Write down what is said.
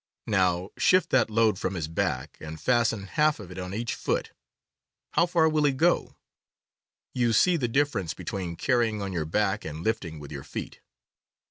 Now shift that load from his back and fasten half of it on each foot — how far will he go ? You see the dif ference between carrying on your back and lifting with your feet.